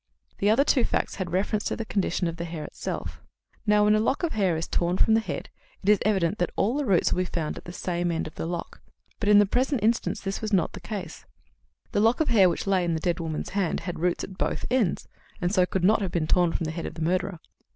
The other two facts had reference to the condition of the hair itself. Now, when a lock of hair is torn from the head, it is evident that all the roots will be found at the same end of the lock. But in the present instance this was not the case; the lock of hair which lay in the dead woman's hand had roots at both ends, and so could not have been torn from the head of the murderer.